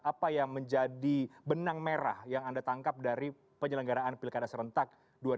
apa yang menjadi benang merah yang anda tangkap dari penyelenggaraan pilih kandas rentak dua ribu dua puluh